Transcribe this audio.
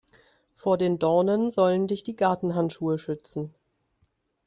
Vor den Dornen sollen dich die Gartenhandschuhe schützen.